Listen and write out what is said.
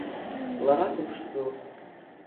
Лара дыԥшӡоуп.